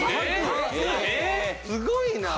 すごいなあ。